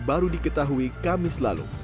baru diketahui kamis lalu